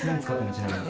ちなみに。